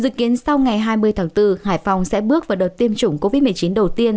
dự kiến sau ngày hai mươi tháng bốn hải phòng sẽ bước vào đợt tiêm chủng covid một mươi chín đầu tiên